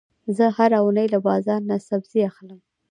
زه هره اونۍ له بازار نه سبزي اخلم.